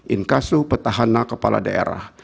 inkasu petahana kepala daerah